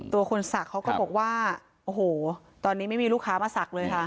ตัวคุณสักว่าเขาก็บอกว่าโอ้โหเท่านี้ไม่มีลูกค้ามาสักเลยค่ะ